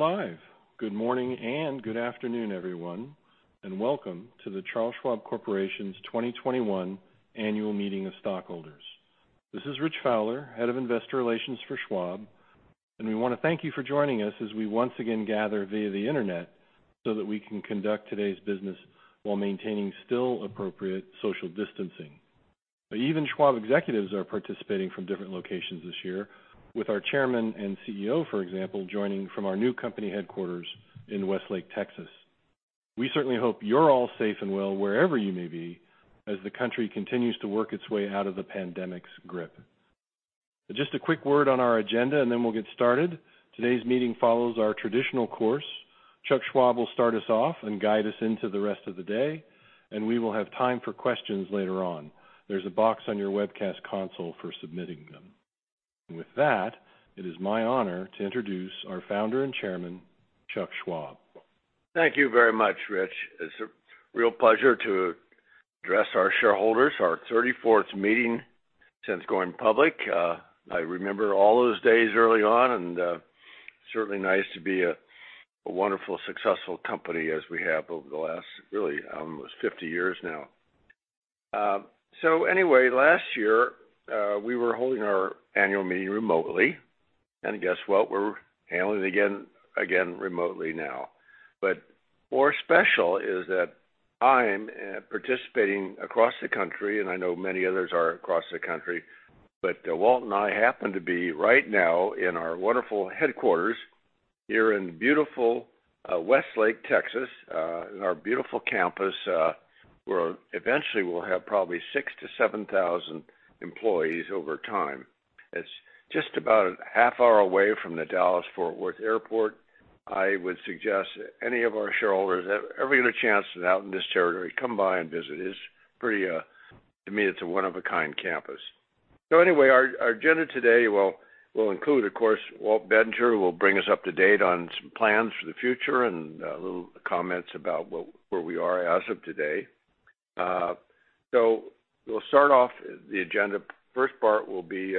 We're live. Good morning and good afternoon, everyone, and welcome to The Charles Schwab Corporation's 2021 Annual Meeting of Stockholders. This is Rich Fowler, Head of Investor Relations for Schwab, and we want to thank you for joining us as we once again gather via the internet so that we can conduct today's business while maintaining still appropriate social distancing. Even Schwab executives are participating from different locations this year, with our Chairman and CEO, for example, joining from our new company headquarters in Westlake, Texas. We certainly hope you're all safe and well wherever you may be, as the country continues to work its way out of the pandemic's grip. Just a quick word on our agenda and then we'll get started. Today's meeting follows our traditional course. Chuck Schwab will start us off and guide us into the rest of the day, and we will have time for questions later on. There's a box on your webcast console for submitting them. With that, it is my honor to introduce our Founder and Chairman, Chuck Schwab. Thank you very much, Rich. It's a real pleasure to address our shareholders, our 34th meeting since going public. I remember all those days early on, and, certainly nice to be a wonderful, successful company as we have over the last, really, almost 50 years now. Anyway, last year, we were holding our annual meeting remotely. Guess what? We're handling it again remotely now, but more special is that I'm participating across the country, and I know many others are across the country, but Walt and I happen to be right now in our wonderful headquarters here in beautiful Westlake, Texas, in our beautiful campus, where eventually we'll have probably 6,000-7,000 employees over time. It's just about a half hour away from the Dallas Fort Worth Airport. I would suggest any of our shareholders, if ever you get a chance out in this territory, come by and visit. To me, it's a one-of-a-kind campus. Our agenda today will include, of course, Walt Bettinger, who will bring us up to date on some plans for the future and a little comments about where we are as of today. We'll start off the agenda. First part will be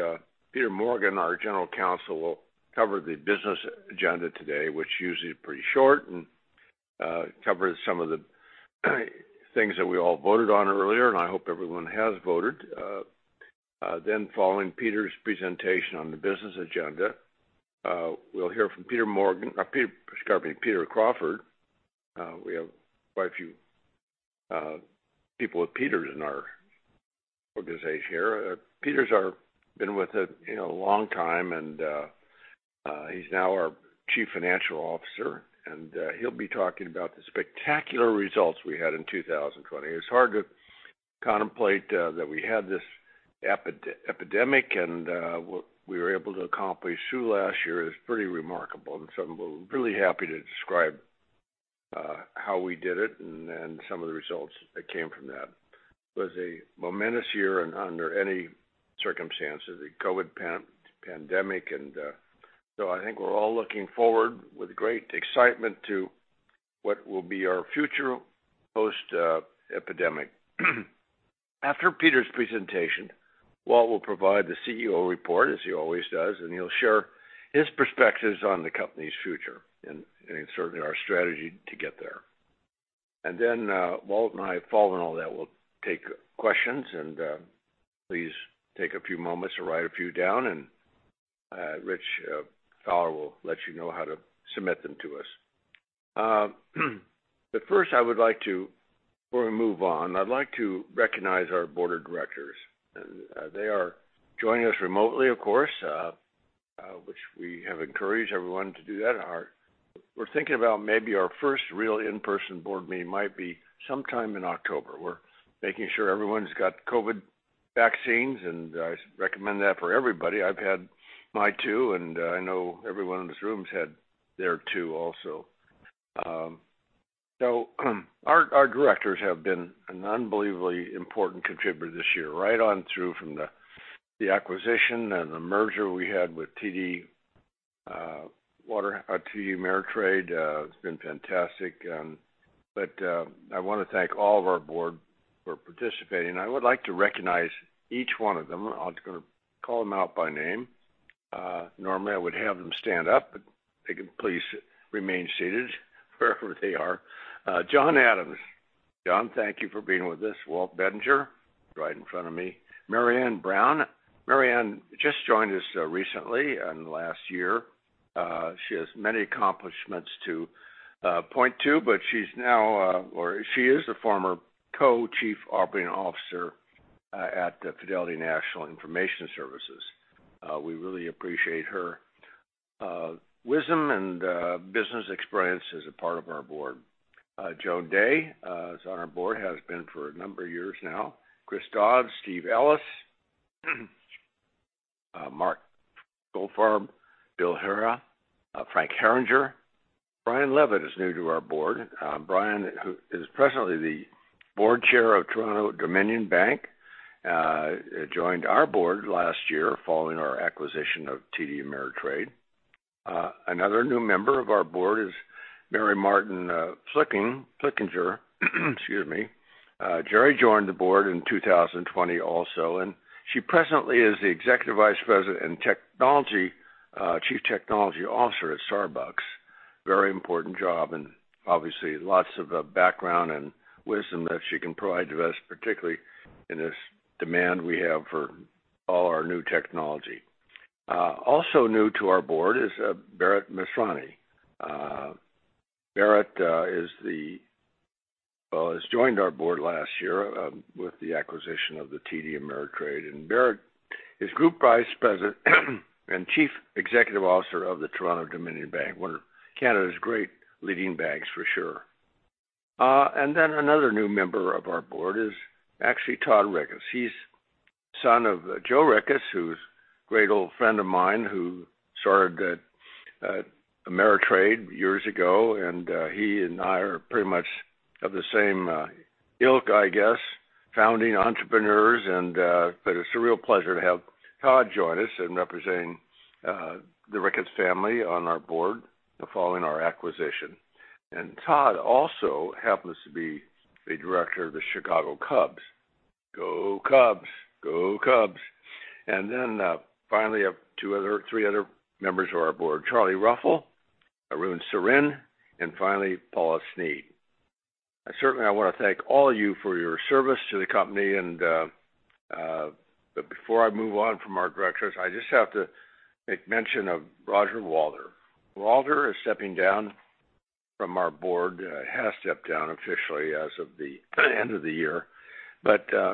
Peter Morgan, our General Counsel, will cover the business agenda today, which usually is pretty short and covers some of the things that we all voted on earlier, and I hope everyone has voted. Following Peter's presentation on the business agenda, we'll hear from Peter B. Crawford. We have quite a few people with Peters in our organization here. Peter's been with us a long time, and he's now our Chief Financial Officer. He'll be talking about the spectacular results we had in 2020. It's hard to contemplate that we had this epidemic, and what we were able to accomplish through last year is pretty remarkable, we're really happy to describe how we did it and some of the results that came from that. It was a momentous year under any circumstances, the COVID pandemic, I think we're all looking forward with great excitement to what will be our future post epidemic. After Peter's presentation, Walt will provide the CEO report, as he always does, and he'll share his perspectives on the company's future and certainly our strategy to get there. Then Walt and I, following all that, will take questions and please take a few moments to write a few down and Rich Fowler will let you know how to submit them to us. First, before we move on, I'd like to recognize our board of directors. They are joining us remotely, of course, which we have encouraged everyone to do that. We're thinking about maybe our first real in-person board meeting might be sometime in October. We're making sure everyone's got COVID vaccines, and I recommend that for everybody. I've had my two, and I know everyone in this room's had their two also. Our directors have been an unbelievably important contributor this year, right on through from the acquisition and the merger we had with TD Ameritrade, has been fantastic. I want to thank all of our board for participating, and I would like to recognize each one of them. I'm just going to call them out by name. Normally, I would have them stand up, but they can please remain seated wherever they are. John Adams. John, thank you for being with us. Walt Bettinger, right in front of me. Marianne C. Brown. Marianne just joined us recently in last year. She has many accomplishments to point to, but she's now, or she is the former Co-Chief Operating Officer at Fidelity National Information Services. We really appreciate her wisdom and business experience as a part of our board. Joan T. Dea is on our board, has been for a number of years now. Christopher V. Dodds, Stephen A. Ellis, Mark A. Goldfarb, Bill Harrah, Frank Herringer. Brian Levitt is new to our board. Brian, who is presently the Board Chair of Toronto-Dominion Bank, joined our board last year following our acquisition of TD Ameritrade. Another new member of our board is Gerri K. Martin-Flickinger. Excuse me. Gerri joined the board in 2020 also, and she presently is the Executive Vice President and Chief Technology Officer at Starbucks. Very important job, and obviously lots of background and wisdom that she can provide to us, particularly in this demand we have for all our new technology. Also new to our board is Bharat Masrani. Bharat has joined our board last year with the acquisition of the TD Ameritrade, Bharat is Group Vice President and Chief Executive Officer of the Toronto-Dominion Bank, one of Canada's great leading banks for sure. Another new member of our board is actually Todd Ricketts. He's son of Joe Ricketts, who's a great old friend of mine who started at Ameritrade years ago, he and I are pretty much of the same ilk, I guess, founding entrepreneurs. It's a real pleasure to have Todd join us in representing the Ricketts family on our board following our acquisition. Todd also happens to be a director of the Chicago Cubs. Go Cubs. Finally, three other members of our board, Charles A. Ruffel, Arun Sarin, and finally, Paula Sneed. Certainly, I want to thank all of you for your service to the company, but before I move on from our directors, I just have to make mention of Roger O. Walther. Walther is stepping down from our board. He has stepped down officially as of the end of the year.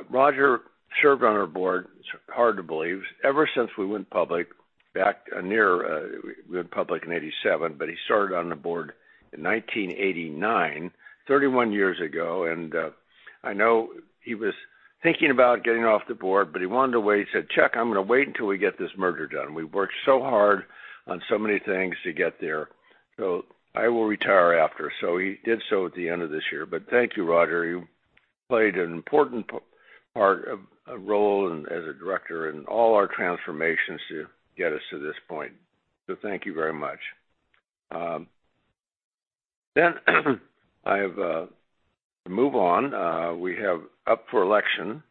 Roger served on our board, it's hard to believe, ever since we went public in 1987, but he started on the board in 1989, 31 years ago. I know he was thinking about getting off the board, but he wanted to wait. He said, "Chuck, I'm going to wait until we get this merger done." "We've worked so hard on so many things to get there, I will retire after." He did so at the end of this year. Thank you, Roger. You played an important role as a director in all our transformations to get us to this point. Thank you very much. I have to move on. We have up for election,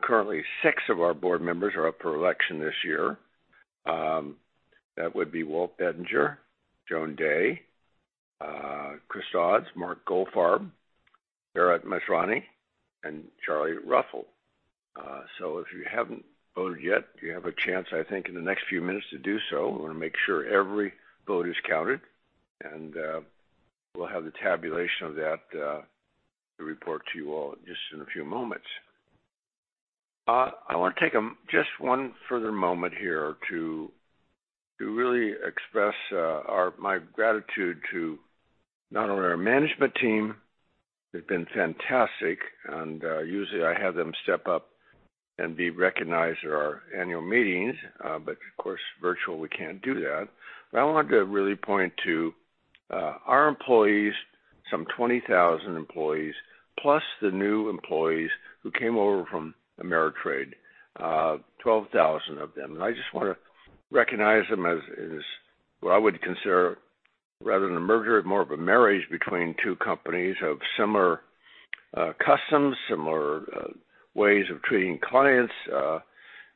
currently six of our board members are up for election this year. That would be Walt Bettinger, Joan T. Dea, Christopher V. Dodds, Mark A. Goldfarb, Bharat Masrani, and Charles A. Ruffel. If you haven't voted yet, you have a chance, I think, in the next few minutes to do so. We want to make sure every vote is counted, and we'll have the tabulation of that to report to you all just in a few moments. I want to take just one further moment here to really express my gratitude to not only our management team, they've been fantastic. Usually I have them step up and be recognized at our annual meetings. Of course, virtual, we can't do that. I wanted to really point to our employees, some 20,000 employees, plus the new employees who came over from Ameritrade, 12,000 of them. I just want to recognize them as what I would consider, rather than a merger, more of a marriage between two companies of similar customs, similar ways of treating clients,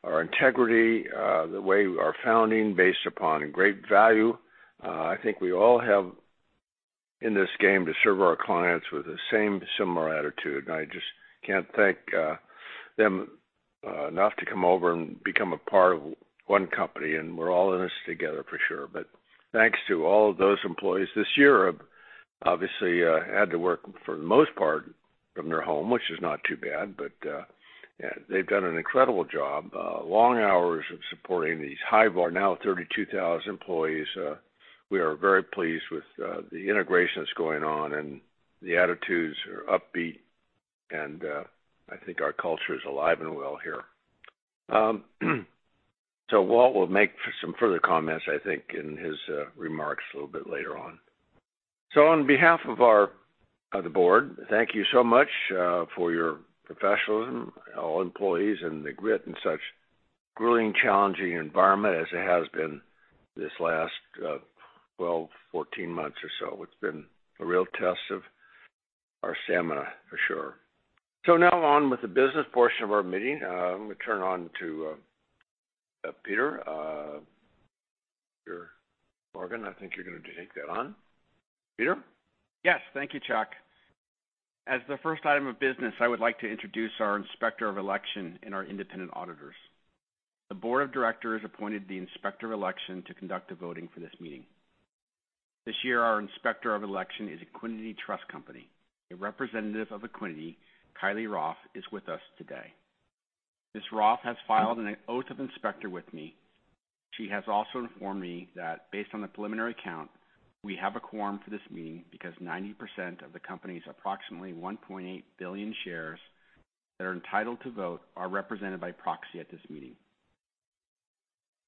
our integrity, the way we are founding, based upon great value. I think we all have, in this game, to serve our clients with the same similar attitude, and I just can't thank them enough to come over and become a part of one company, and we're all in this together for sure. Thanks to all of those employees this year who obviously had to work for the most part from their home, which is not too bad, but they've done an incredible job. Long hours of supporting these [Schwabbie], now 32,000 employees. We are very pleased with the integration that's going on, and the attitudes are upbeat, and I think our culture is alive and well here. Walt will make some further comments, I think, in his remarks a little bit later on. On behalf of the board, thank you so much for your professionalism, all employees, and the grit in such grueling, challenging environment as it has been this last 12, 14 months or so. It's been a real test of our stamina, for sure. Now on with the business portion of our meeting. I'm going to turn on to Peter. Peter Morgan, I think you're going to take that on. Peter? Yes. Thank you, Chuck. As the first item of business, I would like to introduce our Inspector of Election and our independent auditors. The board of directors appointed the Inspector of Election to conduct the voting for this meeting. This year, our Inspector of Election is Equiniti Trust Company. A representative of Equiniti, Kylie Roth, is with us today. Ms. Roth has filed an oath of inspector with me. She has also informed me that based on the preliminary count, we have a quorum for this meeting because 90% of the company's approximately 1.8 billion shares that are entitled to vote are represented by proxy at this meeting.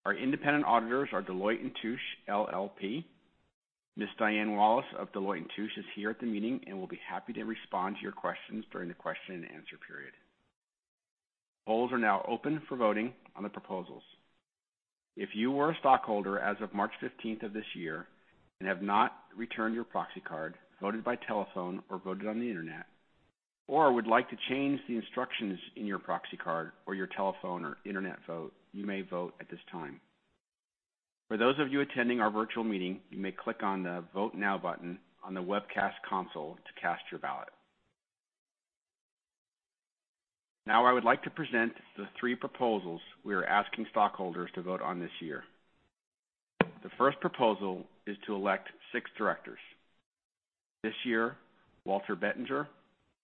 Our independent auditors are Deloitte & Touche, LLP. Ms. Diane Wallace of Deloitte & Touche is here at the meeting and will be happy to respond to your questions during the question and answer period. Polls are now open for voting on the proposals. If you were a stockholder as of March 15th of this year and have not returned your proxy card, voted by telephone, or voted on the internet, or would like to change the instructions in your proxy card or your telephone or internet vote, you may vote at this time. For those of you attending our virtual meeting, you may click on the Vote Now button on the webcast console to cast your ballot. Now I would like to present the three proposals we are asking stockholders to vote on this year. The first proposal is to elect six directors. This year, Walter Bettinger,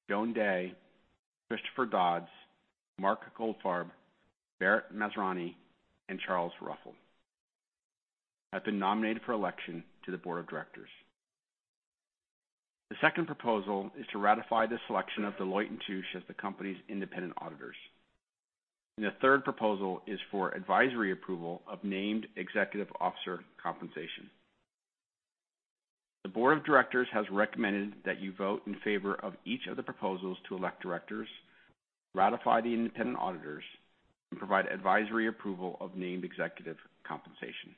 Joan T. Dea, Christopher V. Dodds, Mark A. Goldfarb, Bharat Masrani, and Charles A. Ruffel have been nominated for election to the board of directors. The second proposal is to ratify the selection of Deloitte & Touche as the company's independent auditors. The third proposal is for advisory approval of named executive officer compensation. The board of directors has recommended that you vote in favor of each of the proposals to elect directors, ratify the independent auditors, and provide advisory approval of named executive compensation.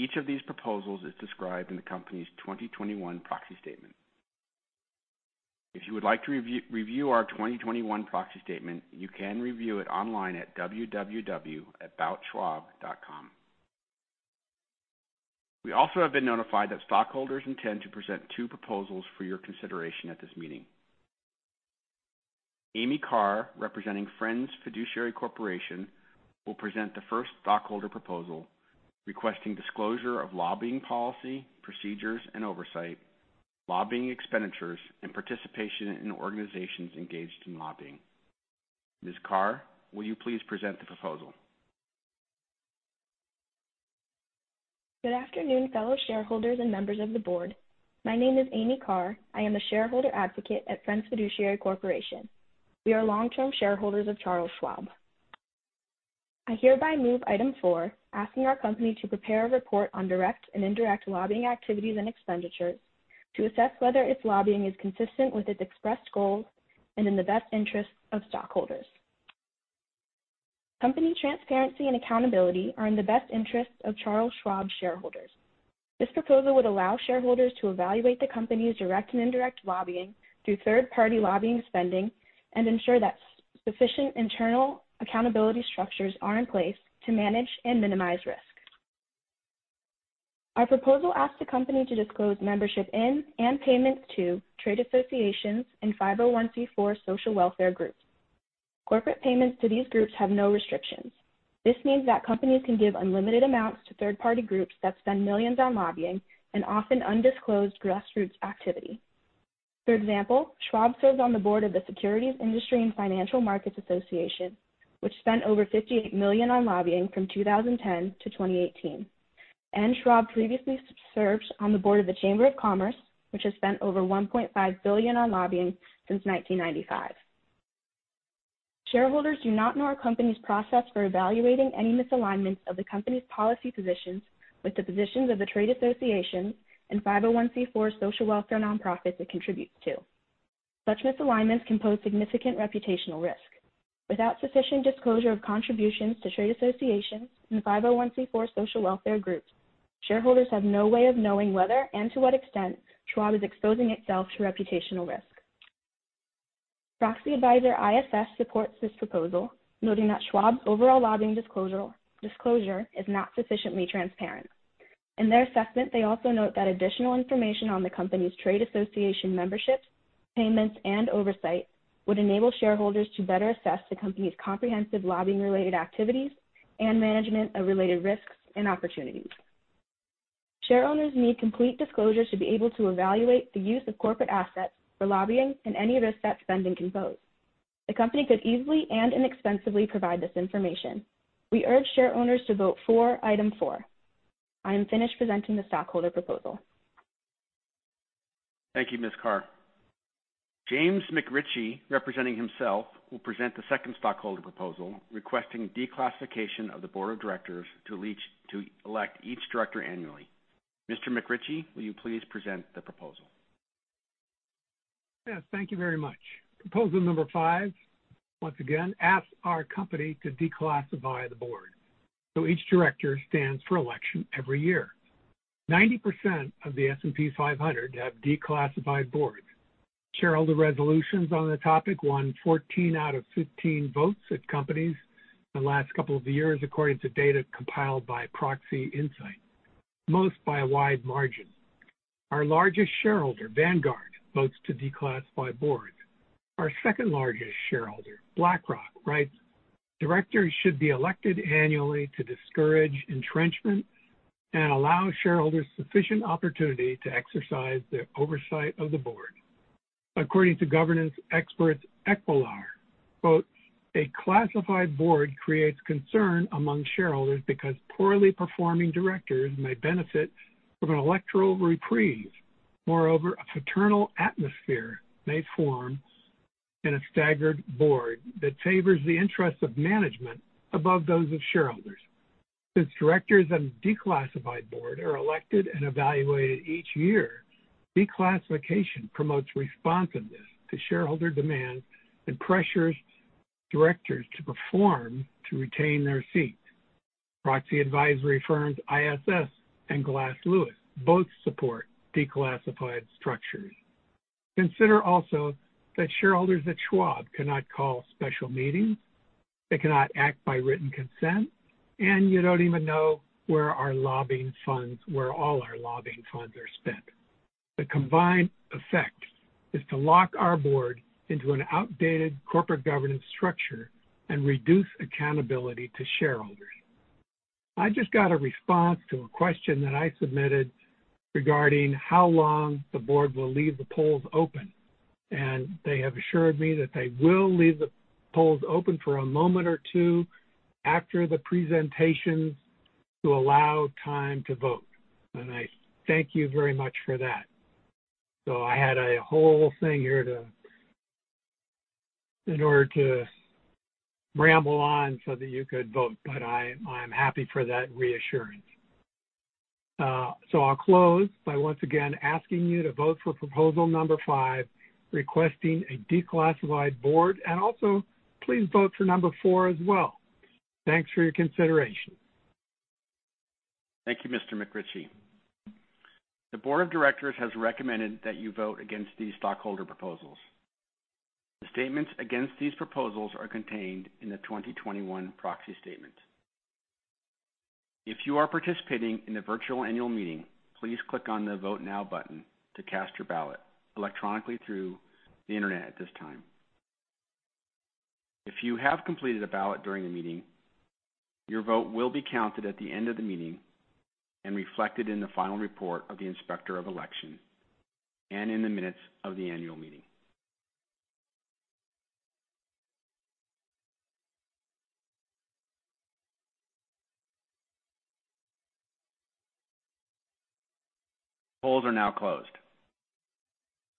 Each of these proposals is described in the company's 2021 proxy statement. If you would like to review our 2021 proxy statement, you can review it online at www.aboutschwab.com. We also have been notified that stockholders intend to present two proposals for your consideration at this meeting. Amy Carr, representing Friends Fiduciary Corporation, will present the first stockholder proposal, requesting disclosure of lobbying policy, procedures, and oversight, lobbying expenditures, and participation in organizations engaged in lobbying. Ms. Carr, will you please present the proposal? Good afternoon, fellow shareholders and members of the board. My name is Amy Carr. I am a Shareholder Advocate at Friends Fiduciary Corporation. We are long-term shareholders of Charles Schwab. I hereby move item four, asking our company to prepare a report on direct and indirect lobbying activities and expenditures to assess whether its lobbying is consistent with its expressed goals and in the best interest of stockholders. Company transparency and accountability are in the best interest of Charles Schwab shareholders. This proposal would allow shareholders to evaluate the company's direct and indirect lobbying through third-party lobbying spending and ensure that sufficient internal accountability structures are in place to manage and minimize risk. Our proposal asks the company to disclose membership in and payments to trade associations and 501(c)(4) social welfare groups. Corporate payments to these groups have no restrictions. This means that companies can give unlimited amounts to third-party groups that spend millions on lobbying and often undisclosed grassroots activity. For example, Schwab serves on the board of the Securities Industry and Financial Markets Association, which spent over $58 million on lobbying from 2010-2018, and Schwab previously served on the board of the Chamber of Commerce, which has spent over $1.5 billion on lobbying since 1995. Shareholders do not know our company's process for evaluating any misalignments of the company's policy positions with the positions of the trade associations and 501(c)(4) social welfare nonprofits it contributes to. Such misalignments can pose significant reputational risk. Without sufficient disclosure of contributions to trade associations and 501(c)(4) social welfare groups, shareholders have no way of knowing whether and to what extent Schwab is exposing itself to reputational risk. Proxy advisor ISS supports this proposal, noting that Schwab's overall lobbying disclosure is not sufficiently transparent. In their assessment, they also note that additional information on the company's trade association memberships, payments, and oversight would enable shareholders to better assess the company's comprehensive lobbying-related activities and management of related risks and opportunities. Shareowners need complete disclosure to be able to evaluate the use of corporate assets for lobbying and any risk that spending can pose. The company could easily and inexpensively provide this information. We urge shareowners to vote for item four. I am finished presenting the stockholder proposal. Thank you, Ms. Carr. James McRitchie, representing himself, will present the second stockholder proposal requesting declassification of the board of directors to elect each director annually. Mr. McRitchie, will you please present the proposal? Yes, thank you very much. Proposal number five, once again, asks our company to declassify the board, so each director stands for election every year. 90% of the S&P 500 have declassified boards. Shareholder resolutions on the topic won 14 out of 15 votes at companies in the last couple of years, according to data compiled by Proxy Insight, most by a wide margin. Our largest shareholder, Vanguard, votes to declassify boards. Our second-largest shareholder, BlackRock, writes, "Directors should be elected annually to discourage entrenchment and allow shareholders sufficient opportunity to exercise their oversight of the board." According to governance experts Equilar, quotes, "A classified board creates concern among shareholders because poorly performing directors may benefit from an electoral reprieve. Moreover, a fraternal atmosphere may form in a staggered board that favors the interest of management above those of shareholders. Since directors of declassified board are elected and evaluated each year, declassification promotes responsiveness to shareholder demands and pressures directors to perform to retain their seat. Proxy advisory firms ISS and Glass Lewis both support declassified structures. Consider also that shareholders at Schwab cannot call special meetings, they cannot act by written consent, and you don't even know where all our lobbying funds are spent. The combined effect is to lock our board into an outdated corporate governance structure and reduce accountability to shareholders. I just got a response to a question that I submitted regarding how long the board will leave the polls open, and they have assured me that they will leave the polls open for a moment or two after the presentation to allow time to vote. I thank you very much for that. I had a whole thing here in order to ramble on so that you could vote, but I'm happy for that reassurance. I'll close by once again asking you to vote for proposal number five, requesting a declassified board, and also please vote for number four as well. Thanks for your consideration. Thank you, Mr. McRitchie. The board of directors has recommended that you vote against these stockholder proposals. The statements against these proposals are contained in the 2021 proxy statement. If you are participating in the virtual annual meeting, please click on the Vote Now button to cast your ballot electronically through the internet at this time. If you have completed a ballot during the meeting, your vote will be counted at the end of the meeting and reflected in the final report of the Inspector of Election and in the minutes of the annual meeting. Polls are now closed.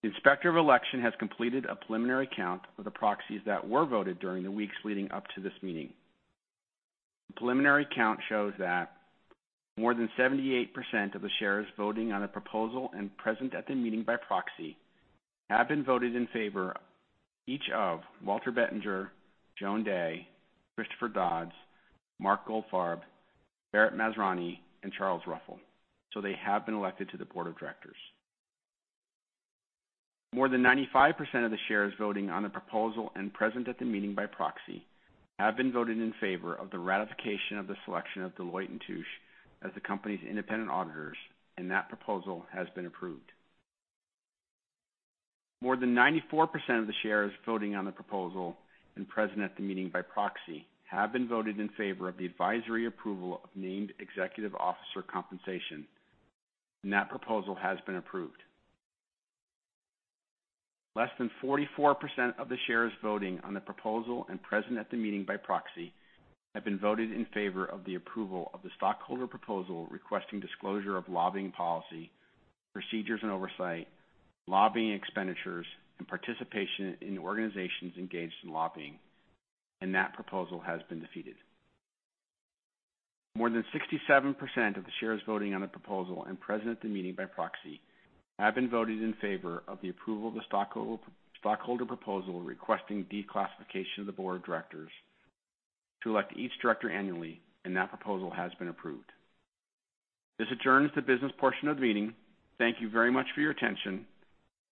The Inspector of Election has completed a preliminary count of the proxies that were voted during the weeks leading up to this meeting. The preliminary count shows that more than 78% of the shares voting on the proposal and present at the meeting by proxy have been voted in favor, each of Walter W. Bettinger II, Joan T. Dea, Christopher V. Dodds, Mark A. Goldfarb, Bharat Masrani, and Charles A. Ruffel. They have been elected to the board of directors. More than 95% of the shares voting on the proposal and present at the meeting by proxy have been voted in favor of the ratification of the selection of Deloitte & Touche as the company's independent auditors. That proposal has been approved. More than 94% of the shares voting on the proposal and present at the meeting by proxy have been voted in favor of the advisory approval of named executive officer compensation. That proposal has been approved. Less than 44% of the shares voting on the proposal and present at the meeting by proxy have been voted in favor of the approval of the stockholder proposal requesting disclosure of lobbying policy, procedures and oversight, lobbying expenditures, and participation in organizations engaged in lobbying, and that proposal has been defeated. More than 67% of the shares voting on the proposal and present at the meeting by proxy have been voted in favor of the approval of the stockholder proposal requesting declassification of the board of directors to elect each director annually, and that proposal has been approved. This adjourns the business portion of the meeting. Thank you very much for your attention.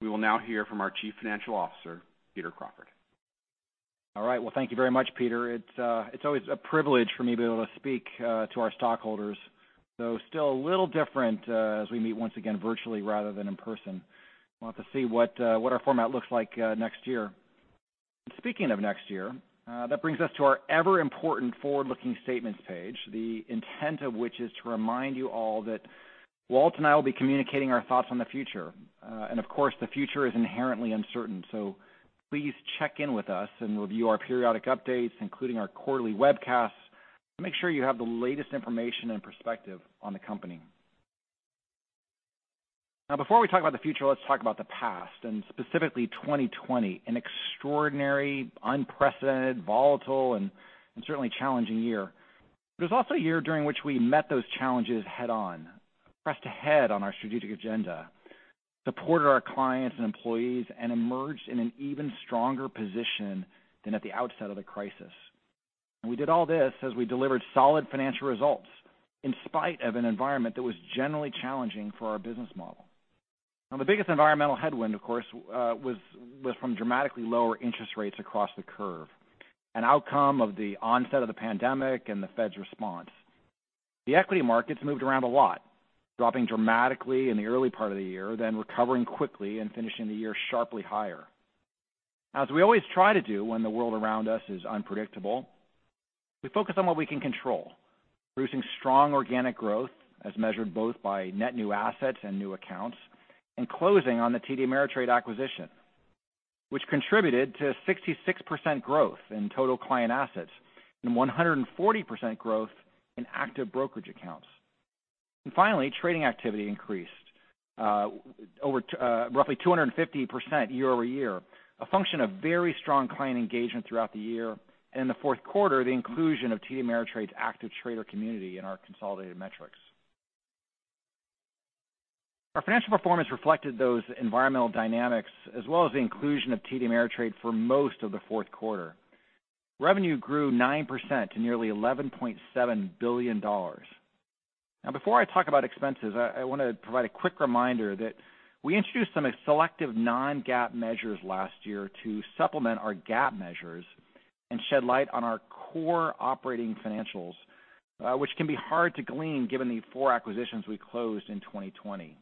We will now hear from our Chief Financial Officer, Peter Crawford. All right. Well, thank you very much, Peter. It's always a privilege for me to be able to speak to our stockholders, though still a little different, as we meet once again virtually rather than in person. We'll have to see what our format looks like next year. Speaking of next year, that brings us to our ever-important forward-looking statements page, the intent of which is to remind you all that Walt and I will be communicating our thoughts on the future. Of course, the future is inherently uncertain, so please check in with us and review our periodic updates, including our quarterly webcasts, to make sure you have the latest information and perspective on the company. Now before we talk about the future, let's talk about the past, and specifically 2020, an extraordinary, unprecedented, volatile, and certainly challenging year. It's also a year during which we met those challenges head-on, pressed ahead on our strategic agenda, supported our clients and employees, and emerged in an even stronger position than at the outset of the crisis. We did all this as we delivered solid financial results in spite of an environment that was generally challenging for our business model. The biggest environmental headwind, of course, was from dramatically lower interest rates across the curve, an outcome of the onset of the pandemic and the Fed's response. The equity markets moved around a lot, dropping dramatically in the early part of the year, then recovering quickly and finishing the year sharply higher. As we always try to do when the world around us is unpredictable, we focus on what we can control, producing strong organic growth as measured both by net new assets and new accounts, closing on the TD Ameritrade acquisition, which contributed to 66% growth in total client assets and 140% growth in active brokerage accounts. Finally, trading activity increased over roughly 250% year-over-year, a function of very strong client engagement throughout the year, and in the fourth quarter, the inclusion of TD Ameritrade's active trader community in our consolidated metrics. Our financial performance reflected those environmental dynamics as well as the inclusion of TD Ameritrade for most of the fourth quarter. Revenue grew 9% to nearly $11.7 billion. Before I talk about expenses, I want to provide a quick reminder that we introduced some selective non-GAAP measures last year to supplement our GAAP measures and shed light on our core operating financials, which can be hard to glean given the four acquisitions we closed in 2020.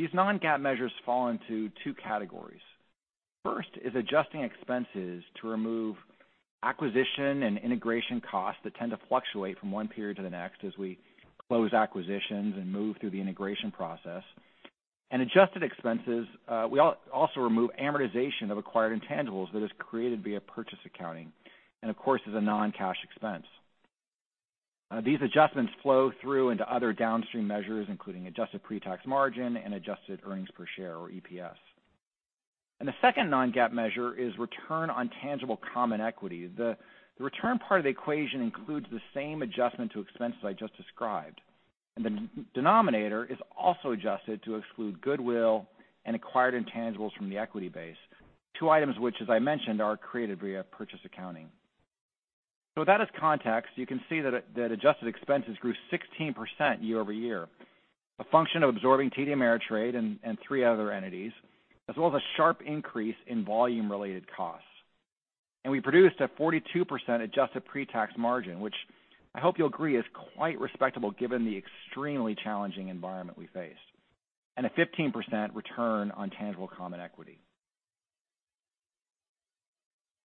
These non-GAAP measures fall into two categories. First is adjusting expenses to remove acquisition and integration costs that tend to fluctuate from one period to the next as we close acquisitions and move through the integration process. In adjusted expenses, we also remove amortization of acquired intangibles that is created via purchase accounting and, of course, is a non-cash expense. These adjustments flow through into other downstream measures, including adjusted pre-tax margin and adjusted earnings per share, or EPS. The second non-GAAP measure is return on tangible common equity. The return part of the equation includes the same adjustment to expenses I just described. The denominator is also adjusted to exclude goodwill and acquired intangibles from the equity base. Two items which, as I mentioned, are created via purchase accounting. With that as context, you can see that adjusted expenses grew 16% year-over-year, a function of absorbing TD Ameritrade and three other entities, as well as a sharp increase in volume-related costs. We produced a 42% adjusted pre-tax margin, which I hope you'll agree is quite respectable given the extremely challenging environment we faced, and a 15% return on tangible common equity.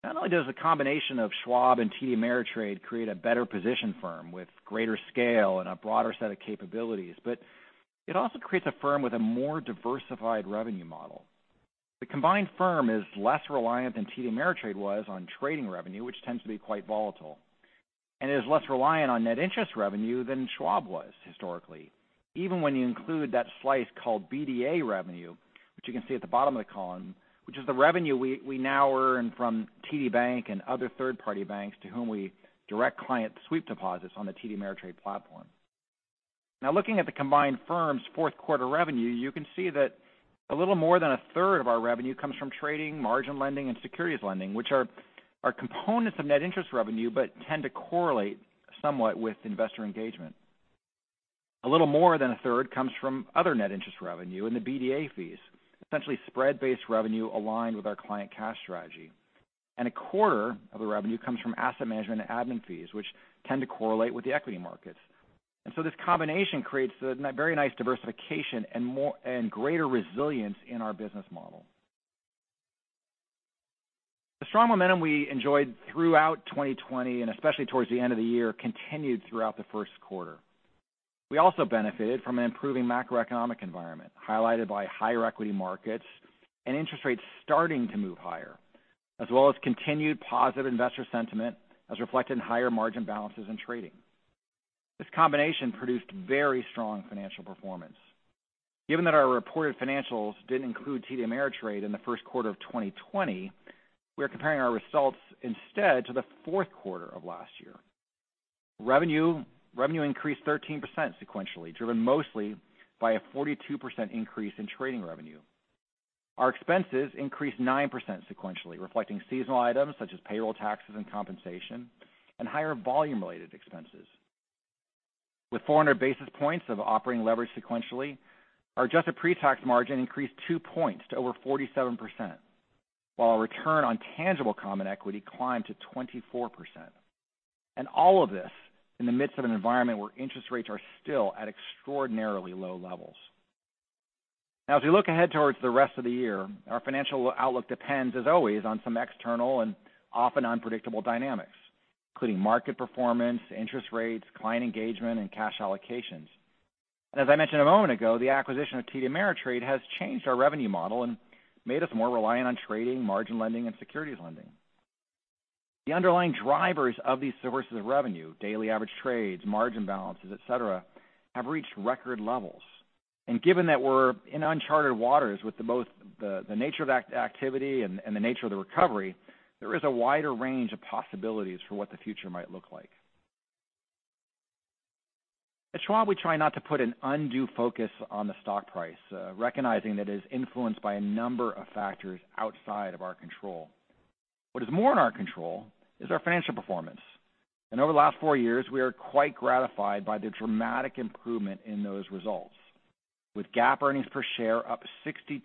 Not only does the combination of Schwab and TD Ameritrade create a better-positioned firm with greater scale and a broader set of capabilities, but it also creates a firm with a more diversified revenue model. The combined firm is less reliant than TD Ameritrade was on trading revenue, which tends to be quite volatile, and is less reliant on net interest revenue than Schwab was historically, even when you include that slice called BDA revenue, which you can see at the bottom of the column, which is the revenue we now earn from TD Bank and other third-party banks to whom we direct client sweep deposits on the TD Ameritrade platform. Looking at the combined firms' fourth quarter revenue, you can see that a little more than a third of our revenue comes from trading, margin lending, and securities lending, which are components of net interest revenue but tend to correlate somewhat with investor engagement. A little more than a third comes from other net interest revenue and the BDA fees, essentially spread-based revenue aligned with our client cash strategy. A quarter of the revenue comes from asset management and admin fees, which tend to correlate with the equity markets. This combination creates a very nice diversification and greater resilience in our business model. The strong momentum we enjoyed throughout 2020, and especially towards the end of the year, continued throughout the first quarter. We also benefited from an improving macroeconomic environment, highlighted by higher equity markets and interest rates starting to move higher, as well as continued positive investor sentiment, as reflected in higher margin balances and trading. This combination produced very strong financial performance. Given that our reported financials didn't include TD Ameritrade in the first quarter of 2020, we are comparing our results instead to the fourth quarter of last year. Revenue increased 13% sequentially, driven mostly by a 42% increase in trading revenue. Our expenses increased 9% sequentially, reflecting seasonal items such as payroll taxes and compensation and higher volume-related expenses. With 400 basis points of operating leverage sequentially, our adjusted pre-tax margin increased two points to over 47%, while our return on tangible common equity climbed to 24%. All of this in the midst of an environment where interest rates are still at extraordinarily low levels. Now, as we look ahead towards the rest of the year, our financial outlook depends, as always, on some external and often unpredictable dynamics, including market performance, interest rates, client engagement, and cash allocations. As I mentioned a moment ago, the acquisition of TD Ameritrade has changed our revenue model and made us more reliant on trading, margin lending, and securities lending. The underlying drivers of these sources of revenue, daily average trades, margin balances, et cetera, have reached record levels. Given that we're in uncharted waters with both the nature of activity and the nature of the recovery, there is a wider range of possibilities for what the future might look like. At Schwab, we try not to put an undue focus on the stock price, recognizing that it is influenced by a number of factors outside of our control. What is more in our control is our financial performance. Over the last four years, we are quite gratified by the dramatic improvement in those results, with GAAP earnings per share up 62%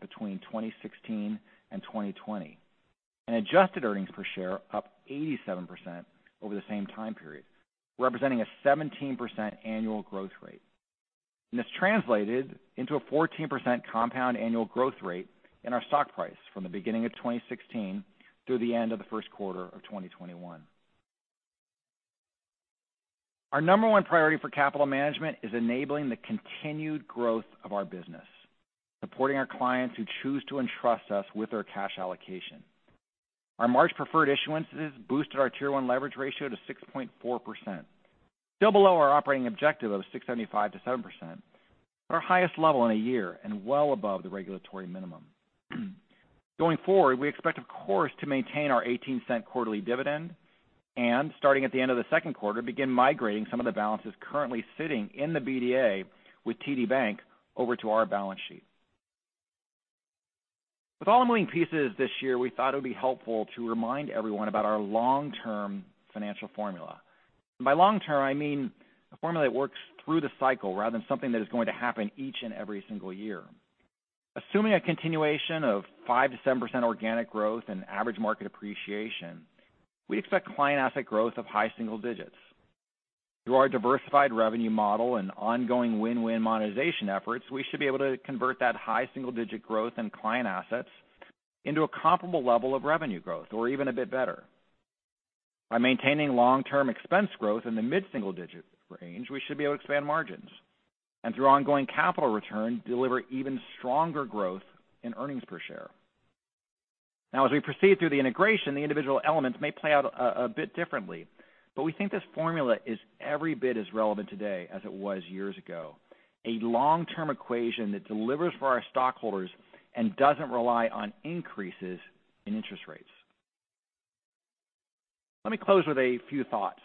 between 2016 and 2020 and adjusted earnings per share up 87% over the same time period, representing a 17% annual growth rate. It's translated into a 14% compound annual growth rate in our stock price from the beginning of 2016 through the end of the first quarter of 2021. Our number one priority for capital management is enabling the continued growth of our business, supporting our clients who choose to entrust us with their cash allocation. Our March preferred issuances boosted our Tier 1 leverage ratio to 6.4%, still below our operating objective of 6.75%-7%, but our highest level in one year and well above the regulatory minimum. Going forward, we expect, of course, to maintain our $0.18 quarterly dividend and, starting at the end of the second quarter, begin migrating some of the balances currently sitting in the BDA with TD Bank over to our balance sheet. With all the moving pieces this year, we thought it would be helpful to remind everyone about our long-term financial formula. By long term, I mean a formula that works through the cycle rather than something that is going to happen each and every single year. Assuming a continuation of 5%-7% organic growth and average market appreciation, we expect client asset growth of high single digits. Through our diversified revenue model and ongoing win-win monetization efforts, we should be able to convert that high single-digit growth in client assets into a comparable level of revenue growth or even a bit better. By maintaining long-term expense growth in the mid-single-digit range, we should be able to expand margins and, through ongoing capital return, deliver even stronger growth in earnings per share. Now, as we proceed through the integration, the individual elements may play out a bit differently, but we think this formula is every bit as relevant today as it was years ago, a long-term equation that delivers for our stockholders and doesn't rely on increases in interest rates. Let me close with a few thoughts.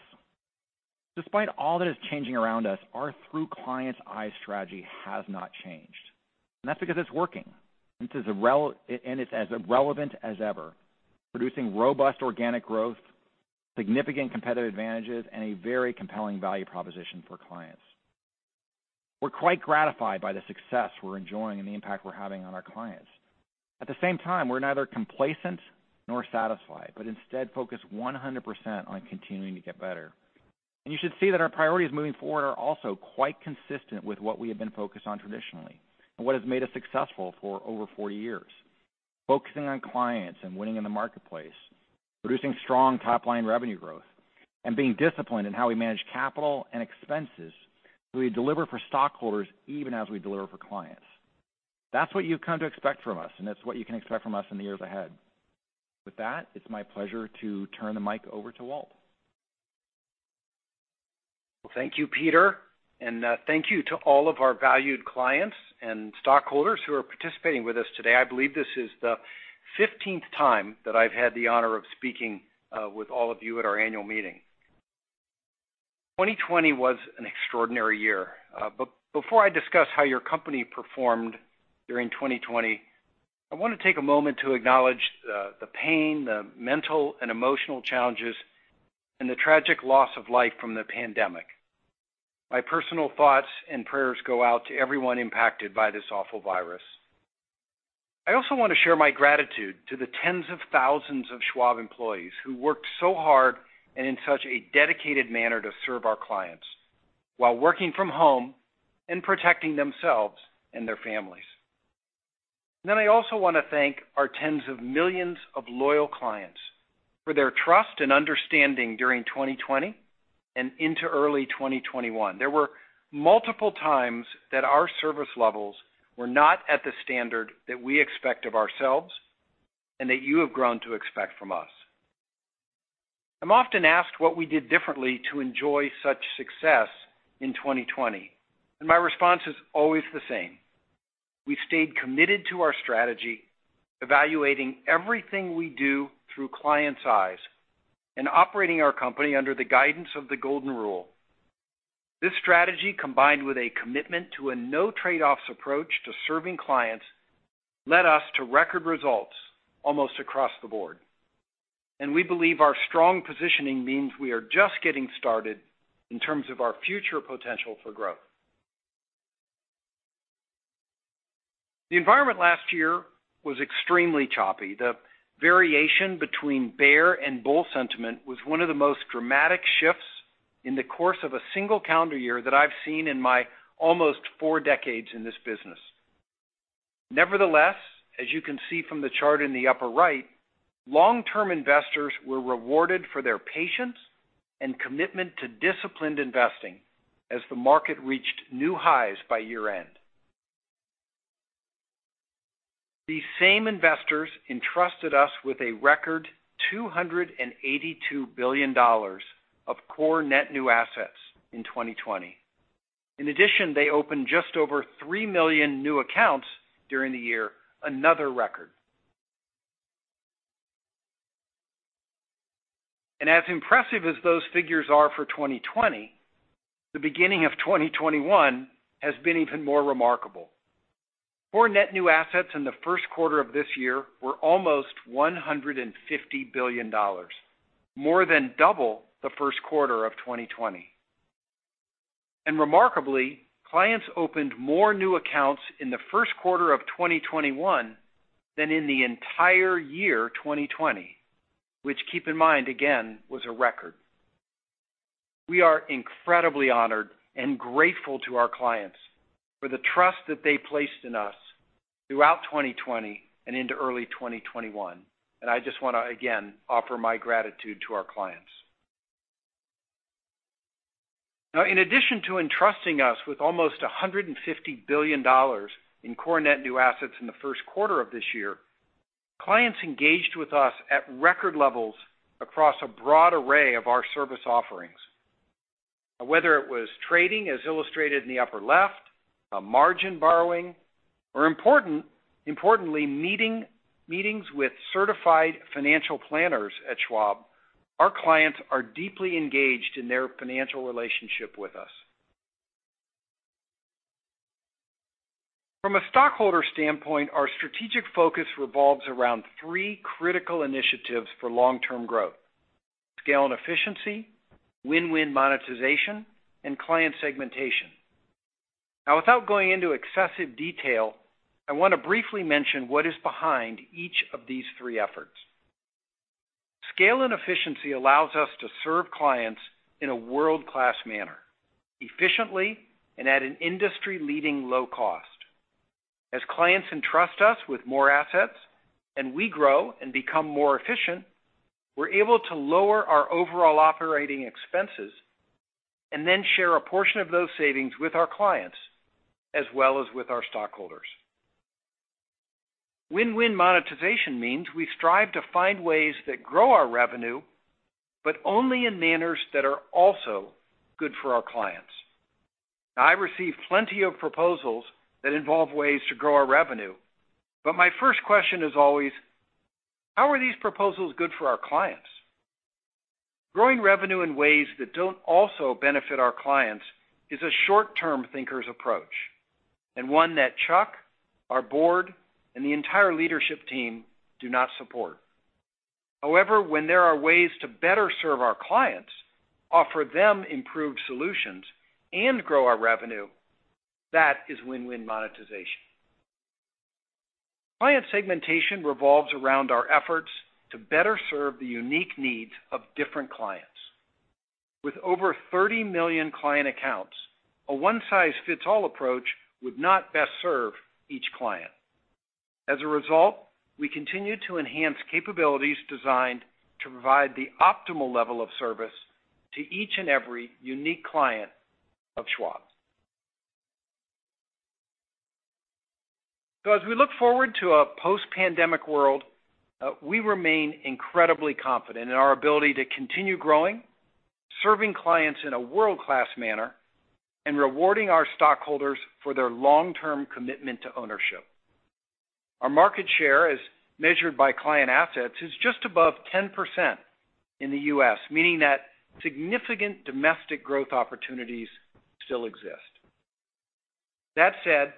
Despite all that is changing around us, our Through-Clients'-Eyes Strategy has not changed. That's because it's working and it's as relevant as ever, producing robust organic growth, significant competitive advantages, and a very compelling value proposition for clients. We're quite gratified by the success we're enjoying and the impact we're having on our clients. At the same time, we're neither complacent nor satisfied, but instead focus 100% on continuing to get better. You should see that our priorities moving forward are also quite consistent with what we have been focused on traditionally and what has made us successful for over 40 years. Focusing on clients and winning in the marketplace, producing strong top-line revenue growth, and being disciplined in how we manage capital and expenses so we deliver for stockholders even as we deliver for clients. That's what you've come to expect from us, and that's what you can expect from us in the years ahead. With that, it's my pleasure to turn the mic over to Walt. Well, thank you, Peter, and thank you to all of our valued clients and stockholders who are participating with us today. I believe this is the 15th time that I've had the honor of speaking with all of you at our annual meeting. 2020 was an extraordinary year. Before I discuss how your company performed during 2020, I want to take a moment to acknowledge the pain, the mental and emotional challenges, and the tragic loss of life from the pandemic. My personal thoughts and prayers go out to everyone impacted by this awful virus. I also want to share my gratitude to the tens of thousands of Schwab employees who worked so hard and in such a dedicated manner to serve our clients while working from home and protecting themselves and their families. I also want to thank our tens of millions of loyal clients for their trust and understanding during 2020 and into early 2021. There were multiple times that our service levels were not at the standard that we expect of ourselves and that you have grown to expect from us. I'm often asked what we did differently to enjoy such success in 2020, and my response is always the same. We stayed committed to our strategy, evaluating everything we do through clients' eyes and operating our company under the guidance of the golden rule. This strategy, combined with a commitment to a no-trade-offs approach to serving clients, led us to record results almost across the board. We believe our strong positioning means we are just getting started in terms of our future potential for growth. The environment last year was extremely choppy. The variation between bear and bull sentiment was one of the most dramatic shifts in the course of a single calendar year that I've seen in my almost four decades in this business. Nevertheless, as you can see from the chart in the upper right, long-term investors were rewarded for their patience and commitment to disciplined investing as the market reached new highs by year-end. These same investors entrusted us with a record $282 billion of core net new assets in 2020. In addition, they opened just over three million new accounts during the year, another record. As impressive as those figures are for 2020, the beginning of 2021 has been even more remarkable. Core net new assets in the first quarter of this year were almost $150 billion, more than double the first quarter of 2020. Remarkably, clients opened more new accounts in the first quarter of 2021 than in the entire year 2020, which keep in mind, again, was a record. We are incredibly honored and grateful to our clients for the trust that they placed in us throughout 2020 and into early 2021, and I just want to, again, offer my gratitude to our clients. In addition to entrusting us with almost $150 billion in core net new assets in the first quarter of this year, clients engaged with us at record levels across a broad array of our service offerings. Whether it was trading, as illustrated in the upper left, margin borrowing, or importantly meetings with certified financial planners at Schwab, our clients are deeply engaged in their financial relationship with us. From a stockholder standpoint, our strategic focus revolves around three critical initiatives for long-term growth, scale and efficiency, win-win monetization, and client segmentation. Without going into excessive detail, I want to briefly mention what is behind each of these three efforts. Scale and efficiency allows us to serve clients in a world-class manner, efficiently and at an industry-leading low cost. As clients entrust us with more assets and we grow and become more efficient, we're able to lower our overall operating expenses and then share a portion of those savings with our clients as well as with our stockholders. Win-win monetization means we strive to find ways that grow our revenue, but only in manners that are also good for our clients. Now, I receive plenty of proposals that involve ways to grow our revenue, but my first question is always, "How are these proposals good for our clients?" Growing revenue in ways that don't also benefit our clients is a short-term thinker's approach and one that Chuck, our board, and the entire leadership team do not support. When there are ways to better serve our clients, offer them improved solutions, and grow our revenue, that is win-win monetization. Client segmentation revolves around our efforts to better serve the unique needs of different clients. With over 30 million client accounts, a one-size-fits-all approach would not best serve each client. As a result, we continue to enhance capabilities designed to provide the optimal level of service to each and every unique client of Schwab's. As we look forward to a post-pandemic world, we remain incredibly confident in our ability to continue growing, serving clients in a world-class manner, and rewarding our stockholders for their long-term commitment to ownership. Our market share, as measured by client assets, is just above 10% in the U.S., meaning that significant domestic growth opportunities still exist. That said,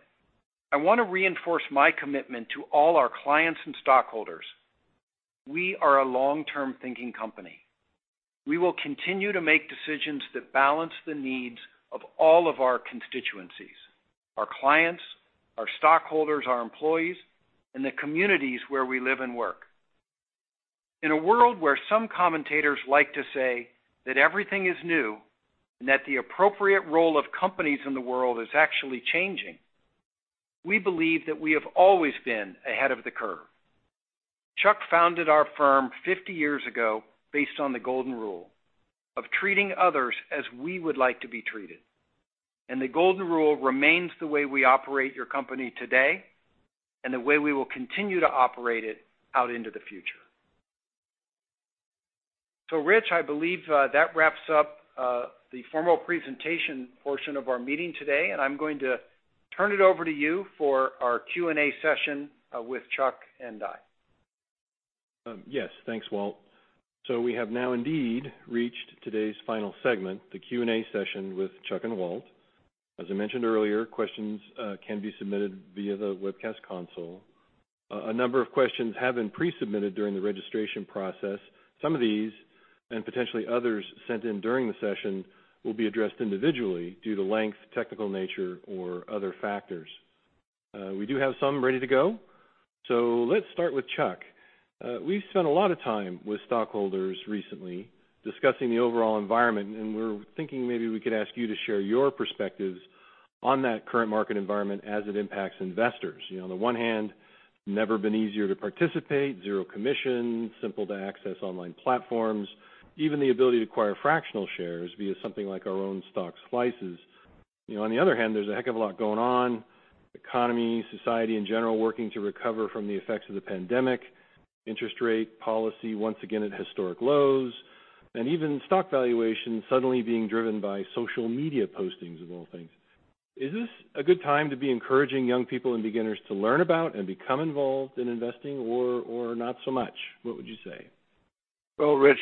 I want to reinforce my commitment to all our clients and stockholders. We are a long-term thinking company. We will continue to make decisions that balance the needs of all of our constituencies, our clients, our stockholders, our employees, and the communities where we live and work. In a world where some commentators like to say that everything is new and that the appropriate role of companies in the world is actually changing, we believe that we have always been ahead of the curve. Chuck founded our firm 50 years ago based on the golden rule of treating others as we would like to be treated, and the golden rule remains the way we operate your company today and the way we will continue to operate it out into the future. Rich, I believe that wraps up the formal presentation portion of our meeting today, and I'm going to turn it over to you for our Q&A session with Chuck and I. Yes. Thanks, Walt. We have now indeed reached today's final segment, the Q&A session with Chuck and Walt. As I mentioned earlier, questions can be submitted via the webcast console. A number of questions have been pre-submitted during the registration process. Some of these, and potentially others sent in during the session, will be addressed individually due to length, technical nature, or other factors. We do have some ready to go, let's start with Chuck. We've spent a lot of time with stockholders recently discussing the overall environment, we're thinking maybe we could ask you to share your perspectives on that current market environment as it impacts investors. On the one hand, never been easier to participate, zero commission, simple to access online platforms, even the ability to acquire fractional shares via something like our own Schwab Stock Slices. There's a heck of a lot going on, the economy, society in general, working to recover from the effects of the pandemic, interest rate policy once again at historic lows, and even stock valuation suddenly being driven by social media postings, of all things. Is this a good time to be encouraging young people and beginners to learn about and become involved in investing or not so much? What would you say? Well, Rich,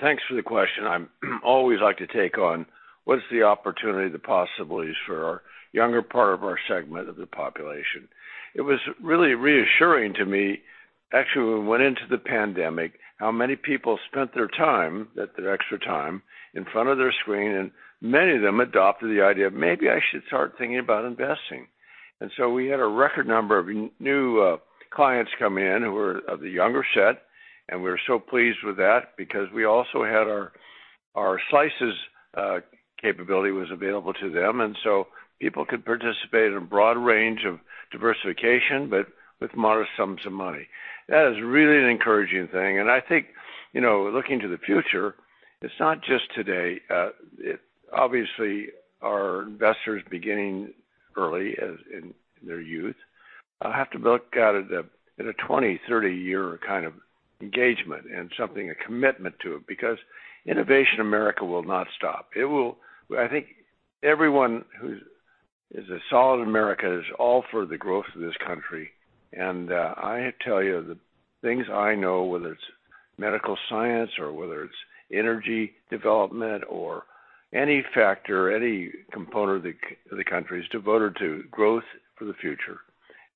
thanks for the question. I always like to take on what is the opportunity, the possibilities for our younger part of our segment of the population. It was really reassuring to me, actually, when we went into the pandemic, how many people spent their time, their extra time, in front of their screen, and many of them adopted the idea of, "Maybe I should start thinking about investing." We had a record number of new clients come in who were of the younger set, and we were so pleased with that because we also had our Slices capability was available to them. People could participate in a broad range of diversification, but with modest sums of money. That is really an encouraging thing, and I think, looking to the future, it's not just today. Obviously, our investors beginning early as in their youth. I'll have to look at it in a 20, 30-year kind of engagement and something, a commitment to it, because innovation America will not stop. I think everyone who's a solid American is all for the growth of this country. I tell you the things I know, whether it's medical science or whether it's energy development or any factor, any component of the country, is devoted to growth for the future.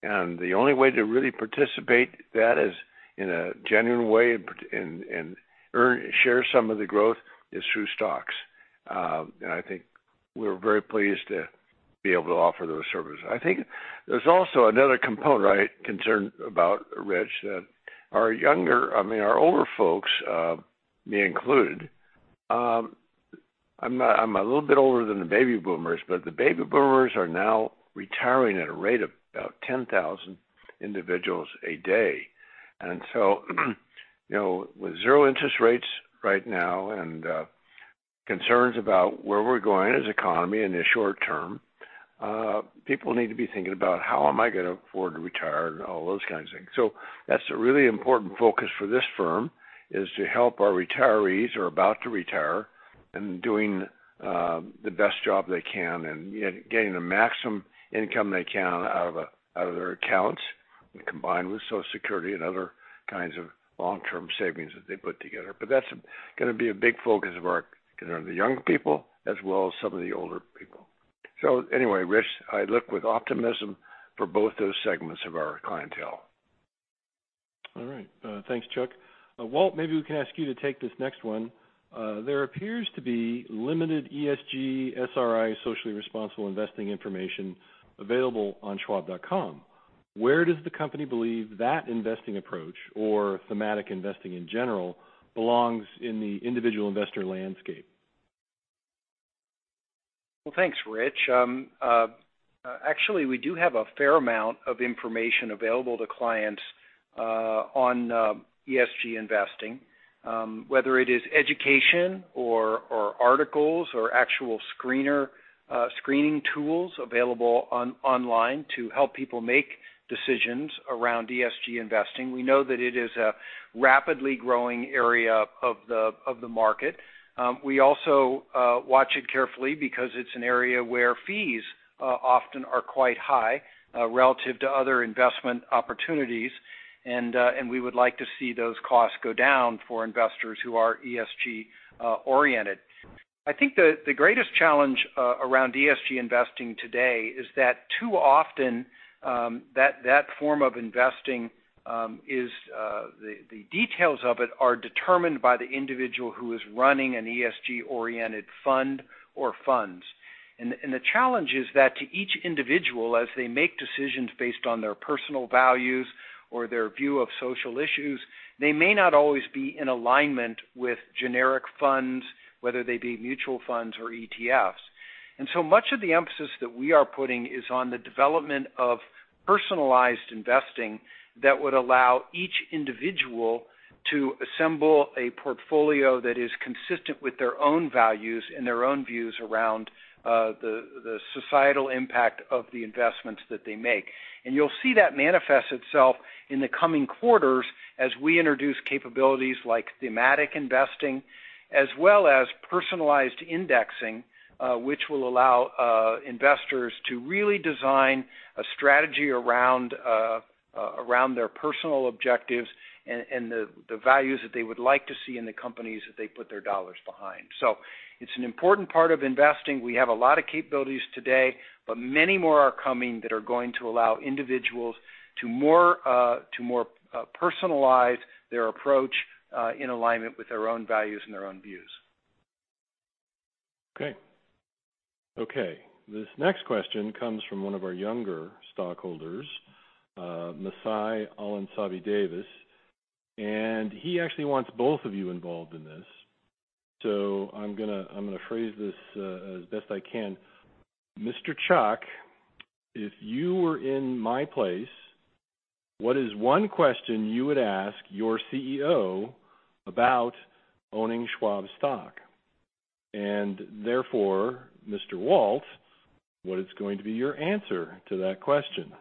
The only way to really participate in that is in a genuine way and share some of the growth is through stocks. I think we're very pleased to be able to offer those services. I think there's also another component I'm concerned about, Rich, that our older folks, me included, I'm a little bit older than the baby boomers, but the baby boomers are now retiring at a rate of about 10,000 individuals a day. With zero interest rates right now and concerns about where we're going as an economy in the short term, people need to be thinking about how am I going to afford to retire and all those kinds of things. That's a really important focus for this firm is to help our retirees or about to retire and doing the best job they can and getting the maximum income they can out of their accounts, combined with Social Security and other kinds of long-term savings that they put together. That's going to be a big focus of ours because they are the younger people as well as some of the older people. Anyway, Rich, I look with optimism for both those segments of our clientele. All right. Thanks, Chuck. Walt, maybe we can ask you to take this next one. There appears to be limited ESG, SRI, socially responsible investing information available on schwab.com. Where does the company believe that investing approach or thematic investing in general belongs in the individual investor landscape? Well, thanks, Rich. Actually, we do have a fair amount of information available to clients on ESG investing, whether it is education or articles or actual screening tools available online to help people make decisions around ESG investing. We know that it is a rapidly growing area of the market. We also watch it carefully because it's an area where fees often are quite high relative to other investment opportunities, and we would like to see those costs go down for investors who are ESG-oriented. I think the greatest challenge around ESG investing today is that too often, that form of investing, the details of it are determined by the individual who is running an ESG-oriented fund or funds. The challenge is that to each individual, as they make decisions based on their personal values or their view of social issues, they may not always be in alignment with generic funds, whether they be mutual funds or ETFs. Much of the emphasis that we are putting is on the development of personalized investing that would allow each individual to assemble a portfolio that is consistent with their own values and their own views around the societal impact of the investments that they make. You'll see that manifest itself in the coming quarters as we introduce capabilities like thematic investing as well as personalized indexing, which will allow investors to really design a strategy around their personal objectives and the values that they would like to see in the companies that they put their dollars behind. It's an important part of investing. We have a lot of capabilities today, but many more are coming that are going to allow individuals to more personalize their approach, in alignment with their own values and their own views. Okay. This next question comes from one of our younger stockholders, Masai Allensavi Davis, and he actually wants both of you involved in this. I'm going to phrase this, as best I can. Mr. Chuck, if you were in my place, what is one question you would ask your CEO about owning Schwab stock? Therefore, Mr. Walt, what is going to be your answer to that question?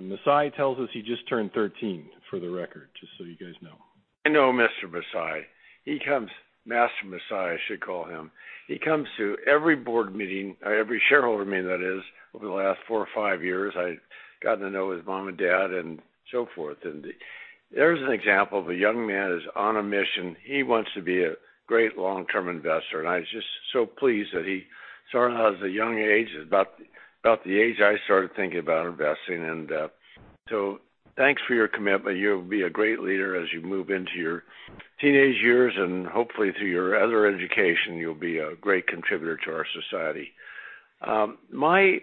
Masai tells us he just turned 13, for the record, just so you guys know. I know Mr. Masai. Master Masai, I should call him. He comes to every board meeting, every shareholder meeting, that is, over the last four or five years. I've gotten to know his mom and dad and so forth. There's an example of a young man who's on a mission. He wants to be a great long-term investor, and I was just so pleased that he started out at a young age, about the age I started thinking about investing. Thanks for your commitment. You'll be a great leader as you move into your teenage years, and hopefully through your other education, you'll be a great contributor to our society. My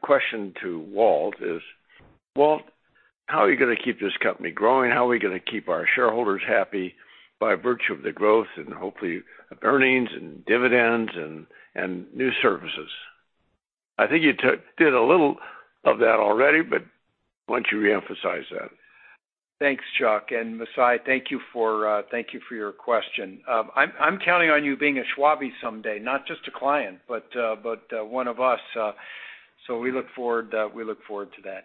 question to Walt is, Walt, how are you going to keep this company growing? How are we going to keep our shareholders happy by virtue of the growth and hopefully earnings and dividends and new services? I think you did a little of that already, but why don't you reemphasize that? Thanks, Chuck. Masai, thank you for your question. I'm counting on you being a Schwabbie someday, not just a client, but one of us. We look forward to that.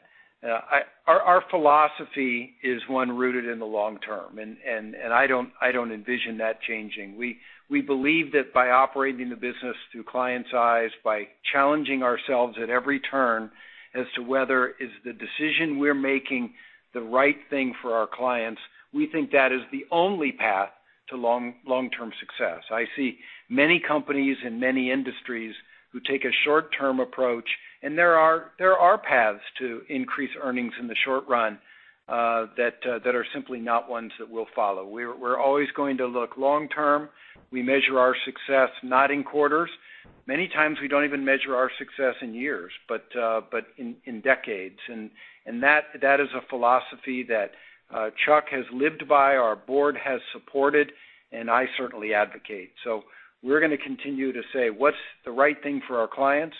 Our philosophy is one rooted in the long term, and I don't envision that changing. We believe that by operating the business through clients' eyes, by challenging ourselves at every turn as to whether is the decision we're making the right thing for our clients, we think that is the only path to long-term success. I see many companies in many industries who take a short-term approach, and there are paths to increase earnings in the short run that are simply not ones that we'll follow. We're always going to look long term. We measure our success not in quarters. Many times, we don't even measure our success in years, but in decades. That is a philosophy that Chuck has lived by, our board has supported, and I certainly advocate. We're going to continue to say, "What's the right thing for our clients?"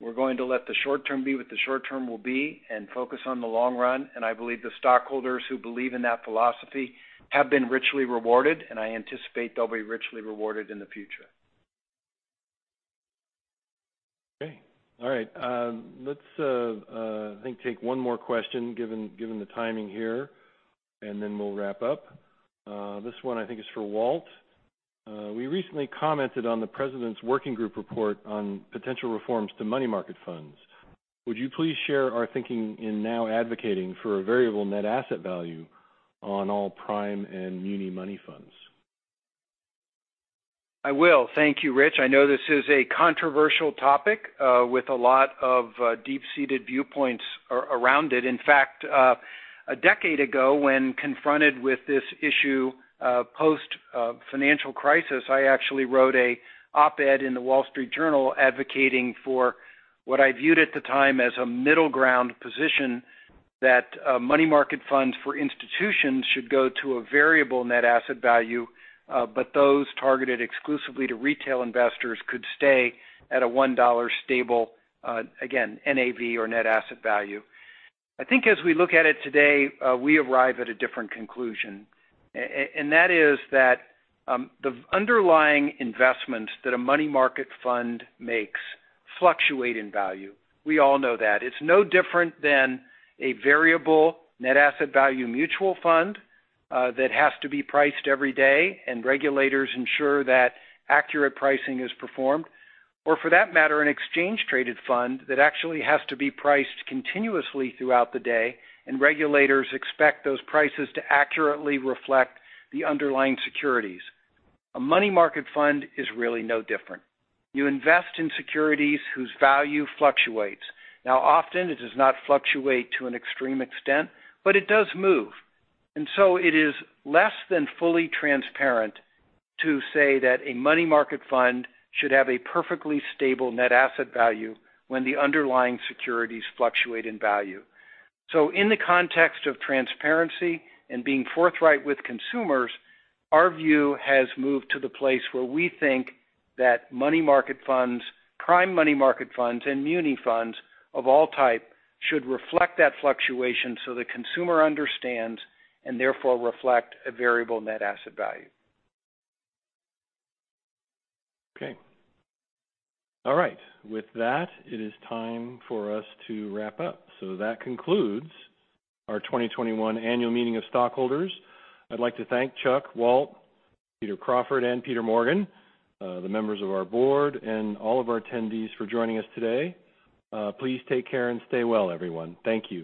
We're going to let the short term be what the short term will be and focus on the long run. I believe the stockholders who believe in that philosophy have been richly rewarded, and I anticipate they'll be richly rewarded in the future. Okay. All right. Let's, I think, take one more question given the timing here, and then we'll wrap up. This one, I think, is for Walt. We recently commented on the President's Working Group Report on potential reforms to money market funds. Would you please share our thinking in now advocating for a variable net asset value on all prime and muni money funds? I will. Thank you, Rich. I know this is a controversial topic with a lot of deep-seated viewpoints around it. In fact, a decade ago, when confronted with this issue post-financial crisis, I actually wrote an op-ed in The Wall Street Journal advocating for what I viewed at the time as a middle ground position that money market funds for institutions should go to a variable net asset value, but those targeted exclusively to retail investors could stay at a $1 stable, again, NAV or net asset value. I think as we look at it today, we arrive at a different conclusion. That is that the underlying investments that a money market fund makes fluctuate in value. We all know that. It's no different than a variable net asset value mutual fund that has to be priced every day and regulators ensure that accurate pricing is performed. For that matter, an exchange-traded fund that actually has to be priced continuously throughout the day and regulators expect those prices to accurately reflect the underlying securities. A money market fund is really no different. You invest in securities whose value fluctuates. Now, often it does not fluctuate to an extreme extent, but it does move. It is less than fully transparent to say that a money market fund should have a perfectly stable net asset value when the underlying securities fluctuate in value. In the context of transparency and being forthright with consumers, our view has moved to the place where we think that money market funds, prime money market funds, and muni funds of all type should reflect that fluctuation so the consumer understands, and therefore reflect a variable net asset value. Okay. All right. With that, it is time for us to wrap up. That concludes our 2021 annual meeting of stockholders. I'd like to thank Chuck, Walt, Peter Crawford, and Peter Morgan, the members of our board, and all of our attendees for joining us today. Please take care and stay well, everyone. Thank you.